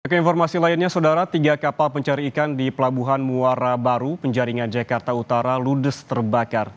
keinformasi lainnya saudara tiga kapal pencari ikan di pelabuhan muara baru penjaringan jakarta utara ludes terbakar